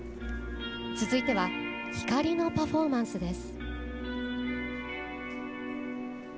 続いては「光」のパフォーマンスです。